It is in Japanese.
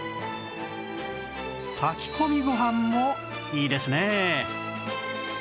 炊き込みご飯もいいですね！